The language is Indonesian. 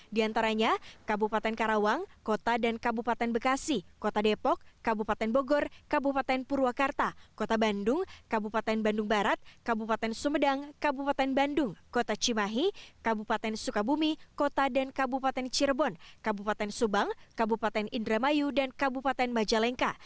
di antaranya kabupaten karawang kota dan kabupaten bekasi kota depok kabupaten bogor kabupaten purwakarta kota bandung kabupaten bandung barat kabupaten sumedang kabupaten bandung kota cimahi kabupaten sukabumi kota dan kabupaten cirebon kabupaten subang kabupaten indramayu dan kabupaten majalengka